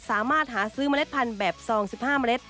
สามารถหาซื้อเมล็ดพันธุ์แบบซอง๑๕เมล็ด